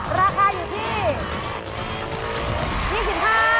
ราคาอยู่ที่